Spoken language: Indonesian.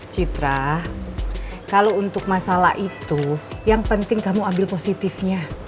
citra kalau untuk masalah itu yang penting kamu ambil positifnya